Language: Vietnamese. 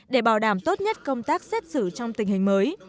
để bảo đảm tốt nhất công tác xét xử trong tình hình mới